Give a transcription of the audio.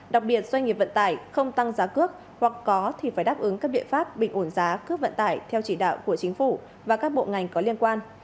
đặc biệt doanh nghiệp vận tải không tăng giá cước hoặc có thì phải đáp ứng các biện pháp bình ổn giá cước vận tải theo chỉ đạo của chính phủ và các bộ ngành có liên quan